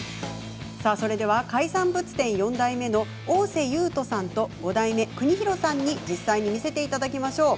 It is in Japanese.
それでは海産物店４代目の大瀬勇人さんと５代目、邦裕さんに実際に見せていただきましょう。